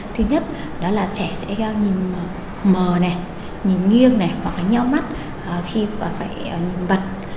thứ nhất đó là trẻ sẽ nhìn mờ nhìn nghiêng hoặc nhẽo mắt khi phải nhìn vật